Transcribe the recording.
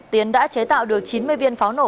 tiến đã chế tạo được chín mươi viên pháo nổ